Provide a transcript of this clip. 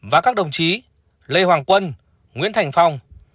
và các đồng chí lê hoàng quân nguyễn thành phong